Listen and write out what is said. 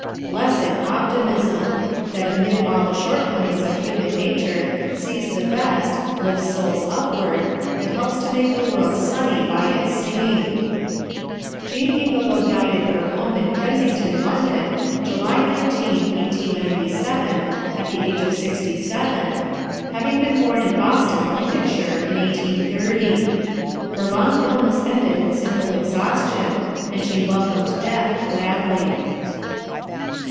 _ Blessed optimism! that amid all the shortcomings of human nature sees the best, lifts souls upward, and helps to make the world sunny by its singing. Jean Ingelow died at her home in Kensington, London, July 19, 1897, at the age of sixty seven, having been born in Boston, Lincolnshire, in 1830. Her long illness ended in simple exhaustion, and she welcomed death gladly.